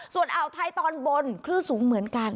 ส่วนอ่าวไทยตอนบนคลื่นสูงเหมือนกัน